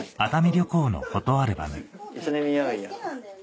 一緒に見ようよ。